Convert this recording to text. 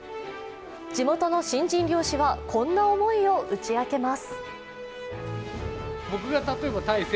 地元の新人漁師はこんな思いを打ち明けます。